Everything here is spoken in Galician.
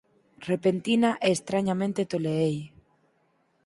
Repentina e estrañamente toleei.